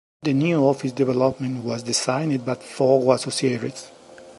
The new office development was designed by Foggo Associates.